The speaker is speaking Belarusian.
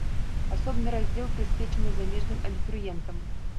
Асобны раздзел прысвечаны замежным абітурыентам.